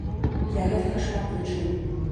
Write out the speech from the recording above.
Для гэтага шмат прычын.